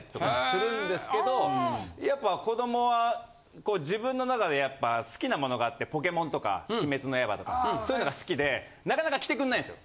やっぱ子供は自分の中でやっぱ好きなものがあって『ポケモン』とか『鬼滅の刃』とかそういうのが好きでなかなか着てくんないんですよ。